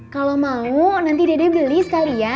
kalau mau nanti dede beli sekalian